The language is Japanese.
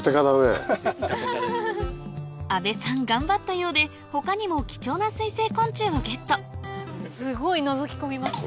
阿部さん頑張ったようで他にも貴重な水生昆虫をゲットすごいのぞき込みますね。